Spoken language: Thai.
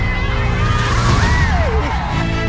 เริ่มจะไปแล้วครับ